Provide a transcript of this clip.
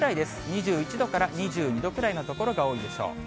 ２１度から２２度ぐらいの所が多いでしょう。